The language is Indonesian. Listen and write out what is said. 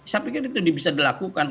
saya pikir itu bisa dilakukan oleh bpkh